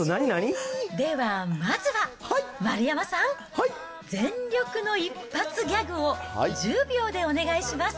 ではまずは、丸山さん、全力の一発ギャグを１０秒でお願いします。